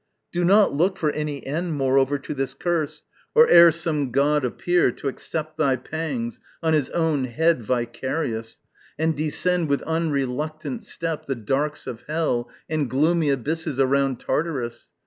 Do not look For any end moreover to this curse Or ere some god appear, to accept thy pangs On his own head vicarious, and descend With unreluctant step the darks of hell And gloomy abysses around Tartarus.